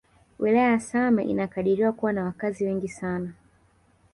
Wilaya ya Same inakadiriwa kuwa na wakazi wengi sana